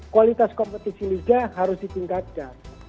kualitas kompetisi liga harus ditingkatkan